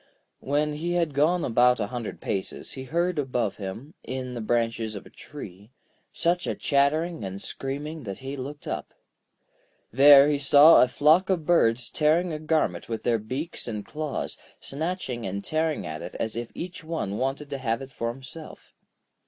When he had gone about a hundred paces, he heard above him, in the branches of a tree, such a chattering and screaming that he looked up. There he saw a flock of birds tearing a garment with their beaks and claws; snatching and tearing at it as if each one wanted to have it for himself.